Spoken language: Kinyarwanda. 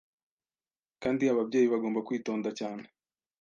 Kandi ababyeyi bagomba kw’itonda cyane